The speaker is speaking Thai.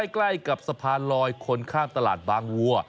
ใกล้กับสะพานลอยคนข้ามตลาดบางวัว